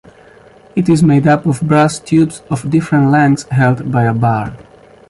It is made up of brass tubes of different lengths held by a bar.